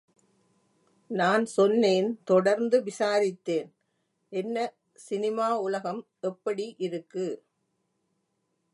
நான் சொன்னேன், தொடர்ந்து விசாரித்தேன் என்ன, சினிமா உலகம் எப்படியிருக்கு?